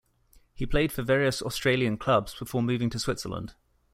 He played for various Australian clubs before moving to Switzerland.